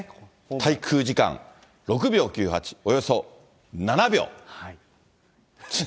滞空時間６秒９８、およそ７秒。